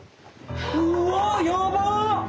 うわっやばっ！